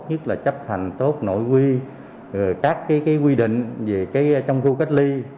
nhất là chấp hành tốt nội quy các cái quy định về cái trong khu cách ly